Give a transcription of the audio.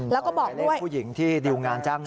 แล้วก็บอกด้วยออกหมายเรียกผู้หญิงที่ดิวงานจ้าง